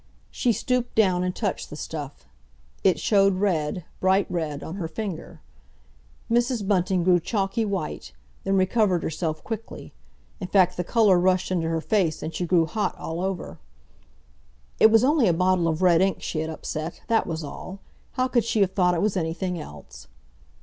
She stooped down and touched the stuff. It showed red, bright red, on her finger. Mrs. Bunting grew chalky white, then recovered herself quickly. In fact the colour rushed into her face, and she grew hot all over. It was only a bottle of red ink she had upset—that was all! How could she have thought it was anything else?